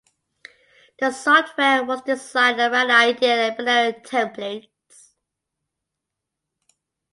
The software was designed around the idea of Binary Templates.